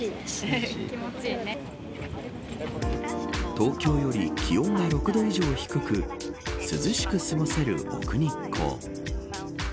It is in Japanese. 東京より気温が６度以上低く涼しく過ごせる奥日光。